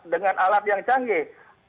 dengan alat yang canggih